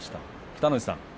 北の富士さん